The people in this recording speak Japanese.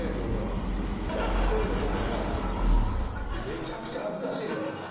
めちゃくちゃ恥ずかしいですよ。